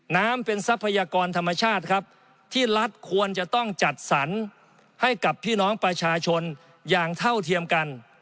น้ำเป็นทรัพยากรธรรมชาติครับที่รัฐควรจะต้องจัดสรรให้กับพี่น้องประชาชนอย่างเท่าเทียมกัน